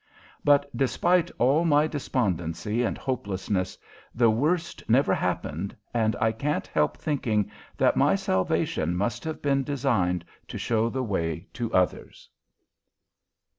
But, despite all my despondency and hopelessness, the worst never happened, and I can't help thinking that my salvation must have been designed to show the way to others.